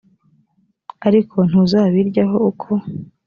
ariko ntuzabiryaho uko